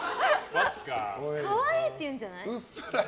可愛い！って言うんじゃない？